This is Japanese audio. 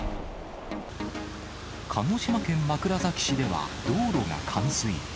鹿児島県枕崎市では道路が冠水。